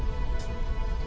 kasian tahu keatna